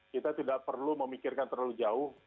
kita tidak perlu memikirkan terlalu jauh